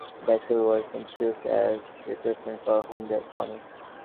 The Excel was introduced as a replacement for the Hyundai Pony.